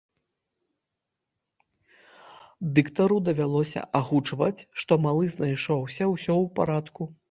Дыктару давялося агучваць, што малы знайшоўся ўсё ў парадку.